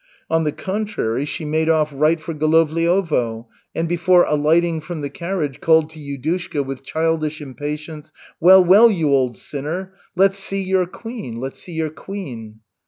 On the contrary, she made off right for Golovliovo and before alighting from the carriage called to Yudushka with childish impatience: "Well, well, you old sinner, let's see your queen, let's see your queen."